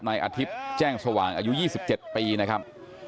นายอาทิตย์แจ้งสว่างอายุ๒๗ปีนะครับ